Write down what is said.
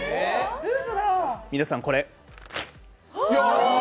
皆さん、これ。